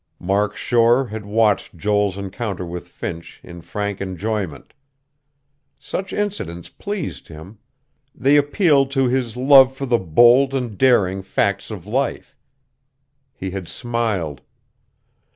Mark Shore had watched Joel's encounter with Finch in frank enjoyment. Such incidents pleased him; they appealed to his love for the bold and daring facts of life.... He had smiled.